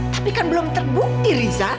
tapi kan belum terbukti riza